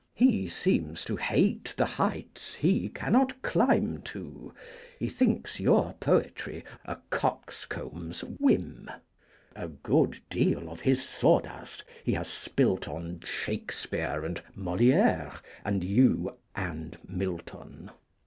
He seems to hate the heights he cannot climb to, He thinks your poetry a coxcomb's whim, A good deal of his sawdust he has spilt on Shakspeare, and Moliére, and you, and Milton.